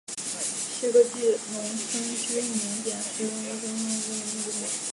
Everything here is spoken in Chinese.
谢戈季农村居民点是俄罗斯联邦伊万诺沃州普切日区所属的一个农村居民点。